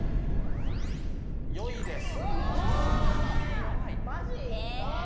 第４位です。